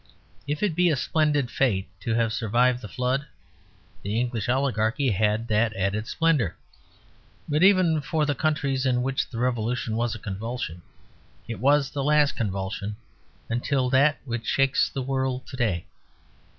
If it be a splendid fate to have survived the Flood, the English oligarchy had that added splendour. But even for the countries in which the Revolution was a convulsion, it was the last convulsion until that which shakes the world to day.